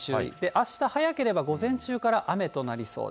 あした早ければ午前中から雨となりそうです。